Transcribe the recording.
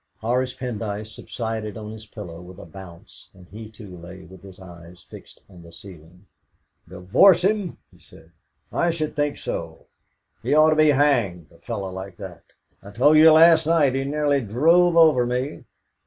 Horace Pendyce subsided on his pillow with a bounce, and he too lay with his eyes fixed on the ceiling. "Divorce him!" he said "I should think so! He ought to be hanged, a fellow like that. I told you last night he nearly drove over me.